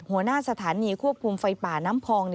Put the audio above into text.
หัวหน้าสถานีควบคุมไฟป่าน้ำพอง